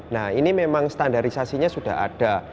nah ini memang standarisasi nya sudah ada